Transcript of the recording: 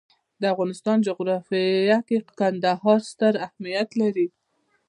د افغانستان جغرافیه کې کندهار ستر اهمیت لري.